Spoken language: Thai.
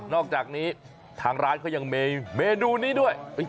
อกจากนี้ทางร้านเขายังมีเมนูนี้ด้วย